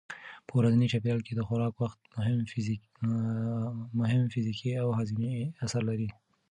په ورځني چاپېریال کې د خوراک وخت مهم فزیکي او هاضمي اثر لري.